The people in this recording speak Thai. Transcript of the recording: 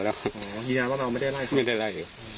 อ๋อยืนยันว่าเราไม่ได้ไล่เขาไม่ได้ไล่